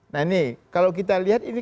nah ini kalau kita lihat ini